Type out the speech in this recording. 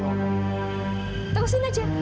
tunggu sini aja